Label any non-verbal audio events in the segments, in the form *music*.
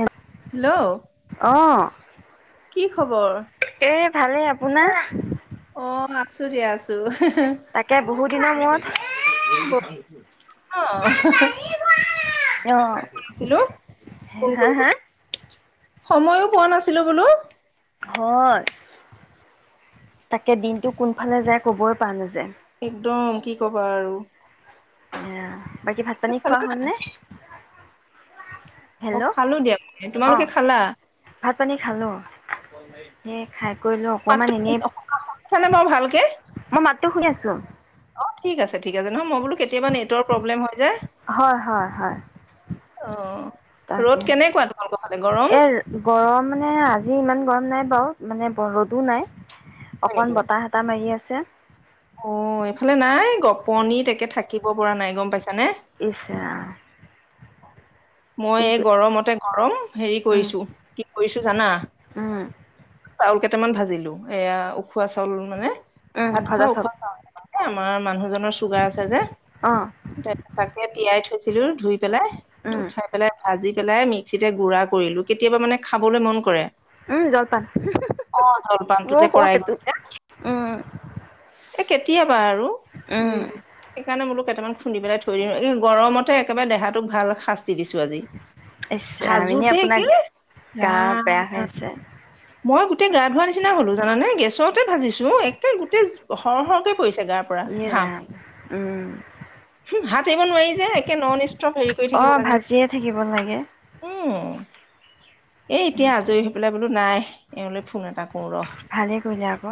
M. Hello অঁ। কি খবৰ? এই ভালে। আপোনাৰ? অ আছো দিয়া আছো। তাকে বহু দিনৰ মূৰত। ব অ *unintelligible* অ আছিলো ফোন হা কৰিব হা। সময়ো পোৱা নাছিলো বোলো। হয় তাকে দিনটো কোনফালে যায় ক'বই পৰা নাছিলো একদম কি কি কবা আৰু। আহ বাকী ভাত পানী খোৱা হল নে? অ খালো দিয়া মে তোমালোকে অ', খালা সেইয়ে খাই কৰিলো মাতটো অকমান এনেই, শুনিছানে বাৰু ভালকে মই মাত। শুনি আছো অ ঠিক আছে ঠিক আছে নহয় মই বোলো কেতিয়াবা নেটৰ প্ৰব্লেম হৈ যায় হয় হয় হয়। অ ৰ'দ তাকে কেনেকুৱা তোমালোকৰ ফালে গৰম এ গৰমানে আজি ইমান গৰম নাই বাৰু। মানে ৰ'দো নাই। হয় নেকি অকন বতাহ এটাহ মাৰি আছে। *unintelligible* অ এইফালে নাই গপনি তাকে থাকিব পৰা নাই গম পাইছা। ইছ ৰাম মই এই কিন্তু গৰমতে গৰম হেৰি উম, কৰিছো কি কৰিছো জানা উম, চাউল কে কেইটামান ভাজিলোঁ এয়া উখোৱা চাউল মানে উম, ভত খোৱা ভজা ওখ চাউল পা এ আমাৰ মানুহজন চুগাৰ আছে যে অ'। তাকে তিয়াই থৈছিলো ধুই পেলাই উম, উঠাই পেলাই আজি পেলাই মিক্সিতে গুড়া কৰিলো কেতিয়াবা মানে খাবলৈ মন কৰে উম জলপান অ জলপানটো মই যে ক কৰাই সেইটো উম এ কেতিয়াবা আৰু উম সেইকাৰণে মোলো কেইটামান খুন্দি পেলাই থৈ দিওঁ এই গৰমতে একেবাৰে দেহাটোক ভাল শাস্ত তি দিছো আজি ইচ ৰাম এনে ভাজোতে আপোনাৰ গা ৰাম বেয়া হৈ আছে মই গোটেই গা ধোৱা নিচিনা হলো জানে গেছতে ভাজিছো একে গোটেই সৰ সৰহকে পৰিছে গাৰ পৰা ই ঘাম ৰাম। উম, হাত এৰিব নোৱাৰি যে একে ননষ্টপ হেৰি কৰি থাকিব অ' লাগে ন ভাজিয়ে থাকিব লাগে। উম *inaudible* এ এতিয়া সেইটোৱে আজৰি হৈ পেলাই বোলো নাই এওঁলে ফোন এটা কৰো ৰ ভালেই কৰিলে আকৌ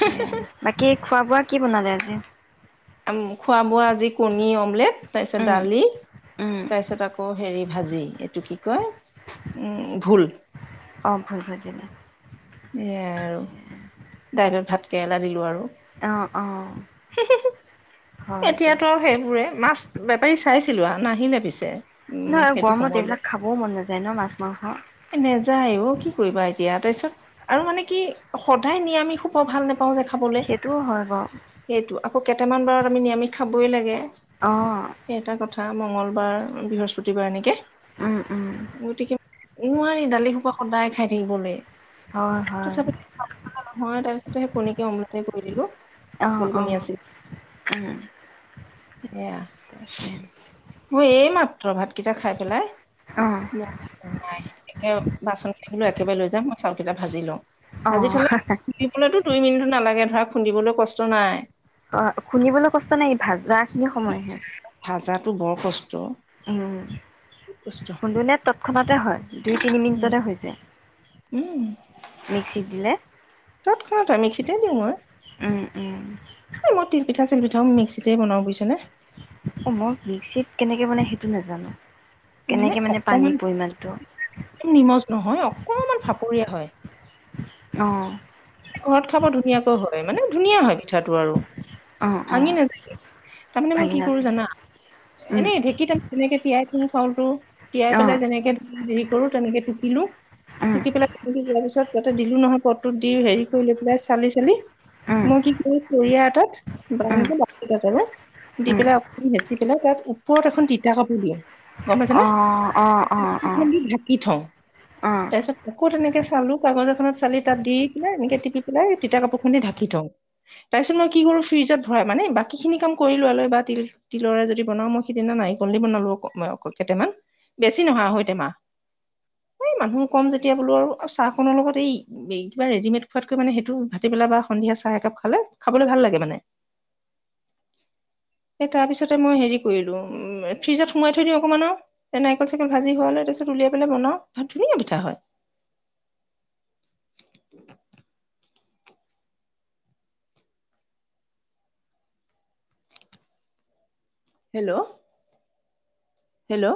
সেয়া বাকী খোৱা বোৱা কি বনালে আজি। আম খোৱা বোৱা আজি কণী অমলেট তাৰপিছত উম, দালি উম, তাৰপিছত আকৌ হেৰি। ভাজি এইটো কি কয় উম ভুল। অ ভুল ভজিলে সেইয়াই আৰু দাইলত ভাত কেৰেলা দিলো আৰু অ অ হয় দিয়ক। এতিয়াতো সেইবোৰে মাছ। বেপাৰী চাইছিলোঁ আৰু নাহিলে পিছে। উম নহয় সেইটো গৰমত সময়লৈ এইবিলাক খাবও মন নাযায় ন মাছ মাংস নেযায় অ কি কৰিবা এইটো এতিয়া তাৰপিছত আৰু মানে কি সদায় নিয়মিষ খোব ভাল নাপ পাওঁ যে খাবলৈ সেইটোও হয় বাৰু সেইটো আৰু আকৌ কেইটামান বাৰ। আমি নিৰামিষ খাবই লাগে। অ সেই এটা কথা মঙ্গলবাৰ বৃহস্পতিবাৰ এনেকৈ উম, উম, মোৰটিকে এই নোৱাৰি দালি সোপা সদায় খাই থাকিবলৈ হয়, হয়, তথাপি নহয় তাৰপিছতে সেই কণীকে অমলতে কৰি দিলো অ' কণী অ' আছিল। উম এয়া তাকে ম এইম ভিতৰ ভাতকেইটা খাই পেলাই। অ' ম নাই এতিয়া বাচন কাটিবলৈ একেবাৰে লৈ যাম মই চাউলকেইটা ভাজি লওঁ। আাজি অ'। থাললে ৰিবলেতো দুই মিনি নালাগে ধৰা খুন্দিবলৈ কষ্ট নাই। অ শুনিবলৈ কষ্ট নাই ভাজা খিনি সময়হে ভাজাটো বৰ কষ্ট উম কষ্ট খুন্দনিয় তৎক্ষণাতে হয় দুই তিনি মিনিটতে হৈছে। উম মিক্সিত দিলে। তৎক্ষণটা মিক্সিতে দিওঁ মই উম উম মই তিলপিঠ আ পিঠা মিক্সিতেই বনা বুজছেনে অ মই মিকট কেনেকে বনাই সেইটো নাজানো মানে কেনেকে অকমান পানীৰ পৰিমাণটো নিমজ নহয় অকমান ভাপ। পৰি হয় অহ ঘৰত খাব ধুনীয়াকৈ হয় মানে। ধুনীয়া হয় পিঠাটো আৰু অ অ ভাঙি নাযায়ে তাৰমানে মই ভাগি কি কৰো নাথাকে জানা উম এনেই ঢেঁকীত তাৰ তেনেকে তিয়াই থওঁ চাউলটো অ তিয়াইেলাই যেনেকে ধ হেৰি কৰো তেনেকে টুকিলো উম ত কি পেলাই কি যোৱাৰ পিছত ইয়াতে দিলো নহয় পদটোত দি হেৰি। কৰি লৈ পেলাই চালি চালি উম মই কি কৰ চৰিয়া এটাত বা উম এক বাক এটাত আৰু দি উম পেলাই অক বেচি তাত ওপৰত এখন তিতা কাপোৰ দিয়ে। গম পাইছে অ না অ অ অ ঢাকি থওঁ অ তাৰ পিছত আকৌ তেনেকে চালো কাগজ এখনত চালি তাত দি পিনে এনেকে ি পাই তিতা কাপোৰ খ ঢাকি থওঁ তাৰ পিছত মই কি কৰো ফ্ৰিজত ভৰাই মানে বাকী খিনি কাম কৰি লোৱা লৈ বা তিল তিলৰে যদি বনাও মই সিদিনা নাৰিকল দি বনালো কেইটামান বেছি নহা হয়তে মাহ এই মানুহ কম যেতিয়া বোলো আৰু চাহখনৰ লগত এই কি ৰেডিমে ত সেইটো ভাট পেলাই সন্ধিয়া চাহ একাপ খালে খাবলৈ ভাল ল মানে তাৰ পিছতে মই হে কৰিলো ফ্ৰিজত সোমাই থৈ দি অকমানো নাৰিকল চাৰ ভাজি হোৱ তাৰপিছত উলিয়াই পেলাই বনাও ভাত ধুনীয়া পিঠা হয় হেল্ল'। হেল্ল'